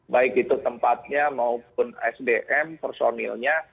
baik itu tempatnya maupun sdm personilnya